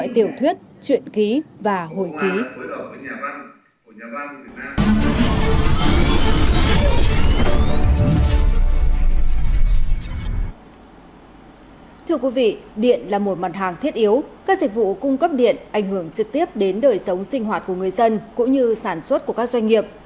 thưa quý vị điện là một mặt hàng thiết yếu các dịch vụ cung cấp điện ảnh hưởng trực tiếp đến đời sống sinh hoạt của người dân cũng như sản xuất của các doanh nghiệp